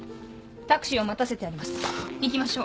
タクシーを待たせてあります。